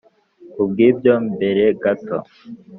ku bwibyo mbere gato